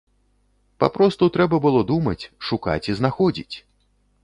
Папросту трэба было думаць, шукаць і знаходзіць!